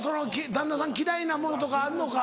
旦那さん嫌いなものとかあんのか？